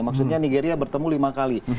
maksudnya nigeria bertemu lima kali